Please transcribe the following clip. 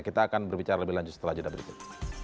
kita akan berbicara lebih lanjut setelah jeda berikut